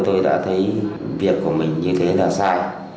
tôi đã thấy việc của mình như thế là sai